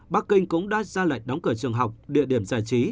bắc kinh cũng đã ra lệnh đóng cửa trường học địa điểm giải trí